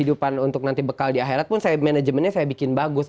kehidupan untuk nanti bekal di akhirat pun saya manajemennya saya bikin bagus